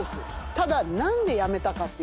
ただ何でやめたかっていうと。